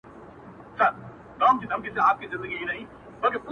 زه شخصاً حاضر او په پارلمان کي